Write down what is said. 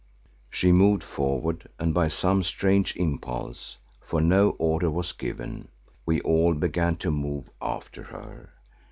She moved forward and by some strange impulse, for no order was given, we all began to move after her.